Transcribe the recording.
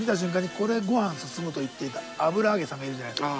これご飯進むと言っていた油揚げさんがいるじゃないですか。